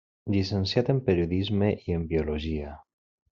Llicenciat en Periodisme i en Biologia.